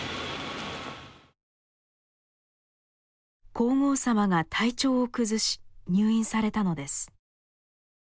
皇后さまが体調を崩し入院されたのです。